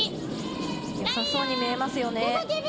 よさそうに見えますよね。